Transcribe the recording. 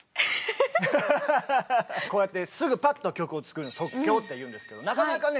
こうやってすぐパッと曲を作るの即興っていうんですけどなかなかね